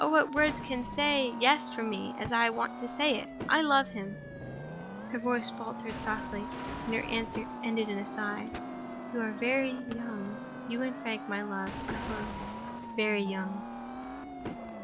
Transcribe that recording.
"Oh, what words can say Yes for me, as I want to say it? I love him—!" Her voice faltered softly; and her answer ended in a sigh. "You are very young. You and Frank, my love, are both very young."